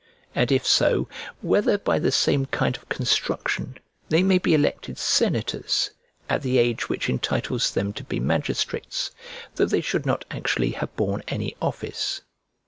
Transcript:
And if so, whether, by the same kind of construction, they may be elected senators, at the age which entitles them to be magistrates, though they should not actually have borne any office?